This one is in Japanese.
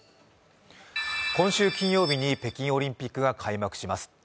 今週金曜日に北京オリンピックが開幕します。